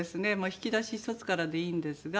引き出しひとつからでいいんですが。